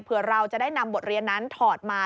เพื่อเราจะได้นำบทเรียนนั้นถอดมา